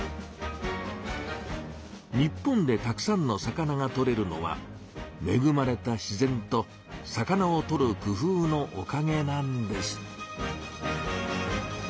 日本でたくさんの魚がとれるのはめぐまれた自然と魚をとる工夫のおかげなんです。